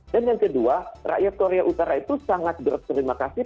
dan yang kedua rakyat korea utara itu sangat berterima kasih